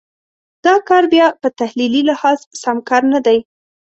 دا کار بیا په تحلیلي لحاظ سم کار نه دی.